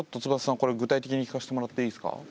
これ具体的に聞かせてもらっていいですか？